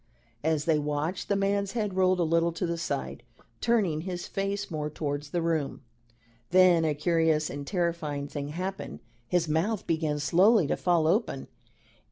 As they watched, the man's head rolled a little to the side, turning his face more towards the room. Then a curious and terrifying thing happened. His mouth began slowly to fall open.